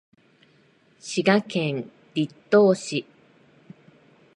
滋賀県栗東市